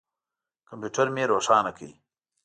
کمپیوټر مې روښانه کړ.